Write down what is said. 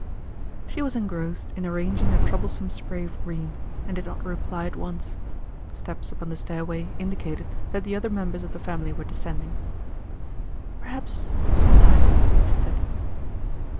She was engrossed in arranging a troublesome spray of green, and did not reply at once. Steps upon the stairway indicated that the other members of the family were descending. "Perhaps, some time," she said.